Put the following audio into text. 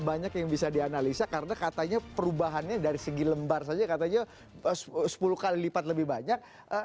banyak yang bisa dianalisa karena katanya perubahannya dari segi lembar saja katanya sepuluh kali lipat lebih banyak